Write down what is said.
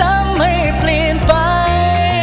เวลายังทำไม่เปลี่ยนไป